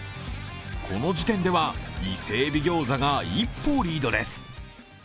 この時点では、伊勢海老餃子が一歩リードです。